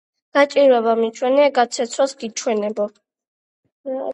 გაჭირვება მიჩვენე, გაქცევას გიჩვენებო.